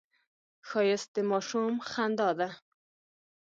ښایست د ماشوم خندا ده